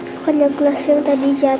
pokoknya gelas yang tadi jatuh